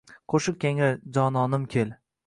Qo’shiq yangrar: «Jononim, kel!—